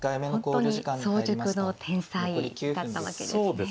本当に早熟の天才だったわけですね。